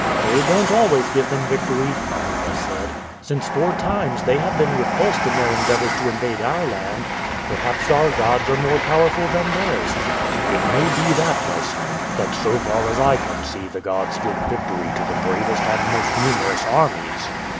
"They don't always give them victory," Amuba said, "since four times they have been repulsed in their endeavors to invade our land. Perhaps our gods are more powerful than theirs." "It may be that, my son; but so far as I can see the gods give victory to the bravest and most numerous armies."